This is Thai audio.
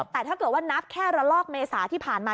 แต่ถ้าเกิดว่านับแค่ระลอกเมษาที่ผ่านมา